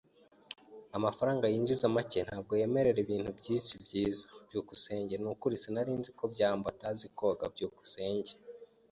Amafaranga yinjiza make ntabwo yemerera ibintu byinshi byiza. byukusenge Nukuri sinari nzi ko byambo atazi koga. byukusenge